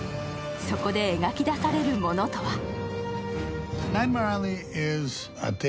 そこで描き出されるものとは